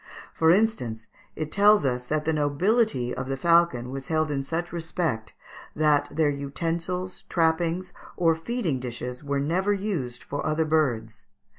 For instance, it tells us that the nobility of the falcon was held in such respect that their utensils, trappings, or feeding dishes were never used for other birds.